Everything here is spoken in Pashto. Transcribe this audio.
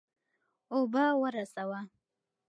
اوبه ورسوه.